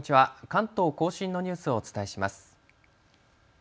関東甲信のニュースをお伝えします。